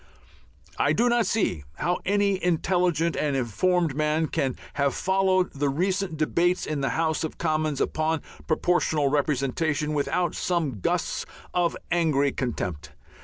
I do not see how any intelligent and informed man can have followed the recent debates in the House of Commons upon Proportional Representation without some gusts of angry contempt.